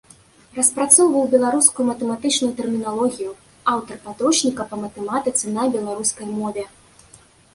Распрацоўваў беларускую матэматычную тэрміналогію, аўтар падручніка па матэматыцы на беларускай мове.